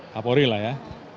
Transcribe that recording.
favori lah ya